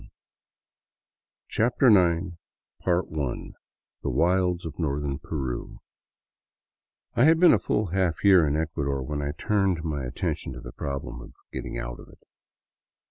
2(^ CHAPTER IX THE WILDS OF NORTHERN PERU I HAD been a full half year in Ecuador when I turned my attention to the problem of getting out of it.